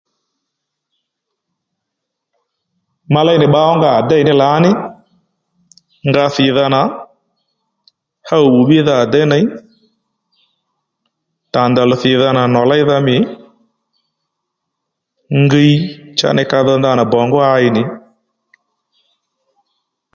Ma léy nì bba ó nga à déy ò ní lǎní nga thìdha na ɦów bbì bbídha à déy ney tàndalu thìdha nà nò léydha mî ngiy cha ney ka dho ndanà bongú ɦay nì